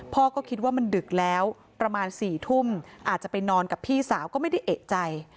พ่อก็คิดว่ามันดึกแล้วประมาณ๔ทุ่มอาจจะไปนอนกับพี่สาวก็ไม่ได้เอกใจ